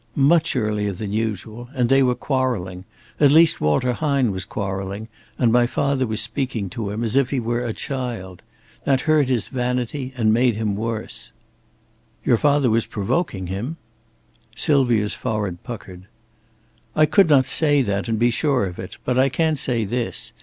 "Much earlier than usual, and they were quarreling. At least, Walter Hine was quarreling; and my father was speaking to him as if he were a child. That hurt his vanity and made him worse." "Your father was provoking him?" Sylvia's forehead puckered. "I could not say that, and be sure of it. But I can say this.